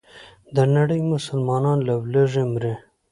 دنړۍ مسلمانان له ولږې مري.